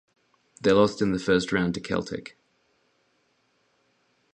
They lost in the first round to Celtic.